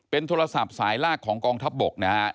เป็นโทรศัพท์สายลากของกองทับบกนะครับ